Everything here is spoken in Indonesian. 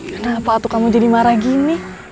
kenapa aku kamu jadi marah gini